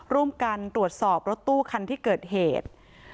ร่วมกันตรวจสอบรถตู้คันที่เกิดเหตุ